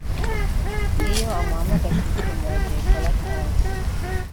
Iyo amuhamagaje indi nomero Jay Polly atazi